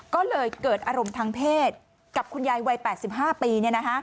ก็เลยเกิดอารมณ์ทางเพศกับคุณยายวัย๘๕ปี